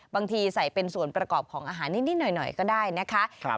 บางทีใส่เป็นส่วนประกอบของอาหารนิดหน่อยก็ได้นะคะ